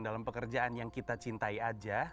dalam pekerjaan yang kita cintai aja